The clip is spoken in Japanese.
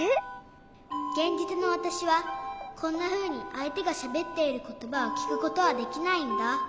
げんじつのわたしはこんなふうにあいてがしゃべっていることばをきくことはできないんだ。